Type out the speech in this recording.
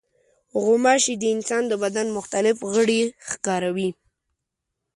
غوماشې د انسان د بدن مختلف غړي ښکاروي.